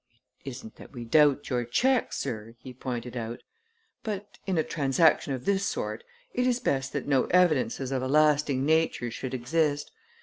"It isn't that we doubt your check, sir," he pointed out; "but in a transaction of this sort it is best that no evidences of a lasting nature should exist.